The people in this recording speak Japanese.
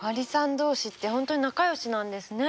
同士って本当に仲良しなんですね。